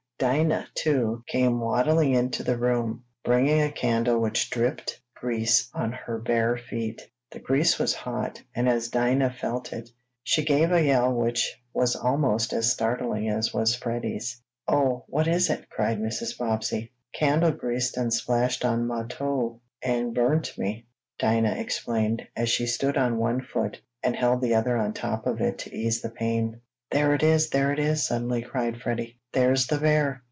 Dinah, too, came waddling into the room, bringing a candle which dripped grease down on her bare feet. The grease was hot, and as Dinah felt it, she gave a yell which was almost as startling as was Freddie's. "Oh, what is it?" cried Mrs. Bobbsey. "Candle grease done splashed on mah toe, an' burnt me," Dinah explained, as she stood on one foot, and held the other on top of it to ease the pain. "There it is! There it is!" suddenly cried Freddie. "There's the bear!"